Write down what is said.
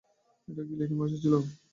এটা কি ল্যাটিন ভাষা ছিল?